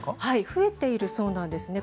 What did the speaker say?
増えているそうなんですね。